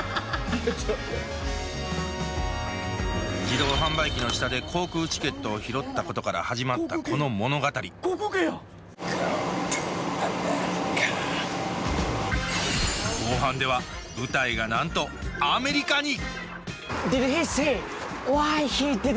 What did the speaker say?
自動販売機の下で航空チケットを拾ったことから始まったこの物語後半では舞台がなんとアメリカに！